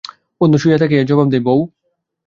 বন্ধু শুইয়া থাকিয়াই জবাব দেয়, বৌ!